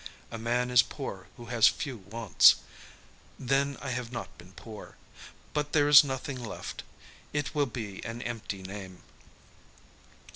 "A man is poor who has few wants. Then I have not been poor. But there is nothing left. It will be an empty name."